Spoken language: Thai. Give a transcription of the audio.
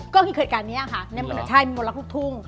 ก็เคยกันเนี่ยค่ะใช่มีมนต์รักลูกทุ่ง